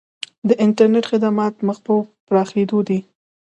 د انټرنیټ خدمات مخ په پراخیدو دي